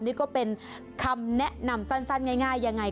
นี่ก็เป็นคำแนะนำสั้นง่ายยังไง